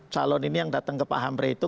calon ini yang datang ke pak hamre itu